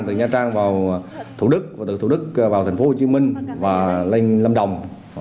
từ nha trang vào thủ đức và từ thủ đức vào tp hcm và lên lâm đồng